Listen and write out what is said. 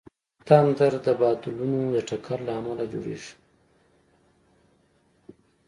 تندر د بادلونو د ټکر له امله جوړېږي.